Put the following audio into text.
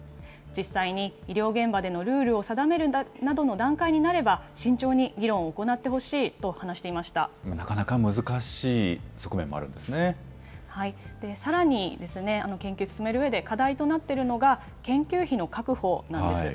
実際に、医療現場でのルールを定めるなどの段階になれば、慎重に議論を行ってほしいと話していまなかなか難しい側面もあるんさらにですね、研究を進めるうえで課題となっているのが、研究費の確保なんです。